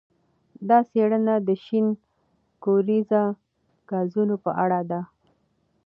دا څېړنه د شین کوریزه ګازونو په اړه ده.